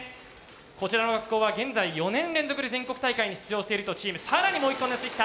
こちらの学校は現在４年連続で全国大会に出場しているとチーム更にもう一個のせてきた。